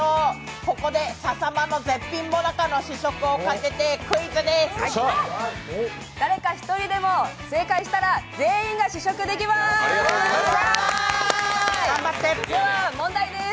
ここで、ささまの絶品最中の試食をかけてクイズです。